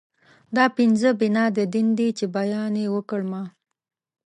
دا پنځه بنا د دين دي چې بیان يې وکړ ما